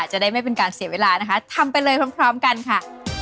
จะได้ไม่เป็นการเสียเวลานะคะทำไปเลยพร้อมกันค่ะ